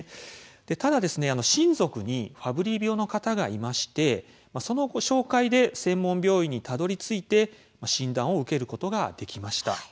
ただ親族にファブリー病の方がいましてその紹介で専門病院にたどりついて診断を受けることができました。